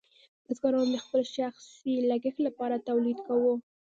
بزګرانو به د خپل شخصي لګښت لپاره تولید کاوه.